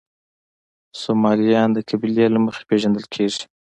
سومالیان د قبیلې له مخې پېژندل کېږي.